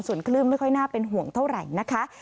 ส่วนคลื่นไม่ค่อยน่าเป็นห่วงเท่าไหร่นะคะ